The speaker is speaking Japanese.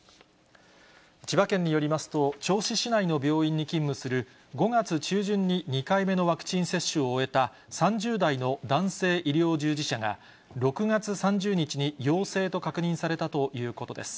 千葉県によりますと、銚子市内の病院に勤務する、５月中旬に２回目のワクチン接種を終えた３０代の男性医療従事者が、６月３０日に陽性と確認されたということです。